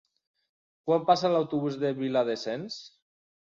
Quan passa l'autobús per Viladasens?